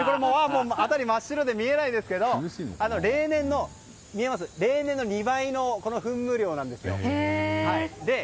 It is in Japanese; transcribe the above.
辺りが真っ白で見えないですけど例年の２倍の噴霧量なんです。